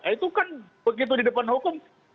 itu kan begitu di depan hukum